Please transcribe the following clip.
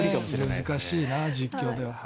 難しいな、実況では。